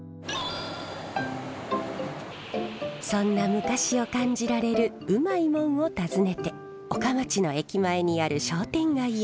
そんな昔を感じられるウマいモンを訪ねて岡町の駅前にある商店街へ。